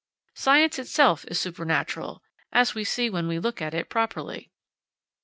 Science itself is supernatural, as we see when we look at it properly.